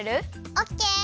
オッケー。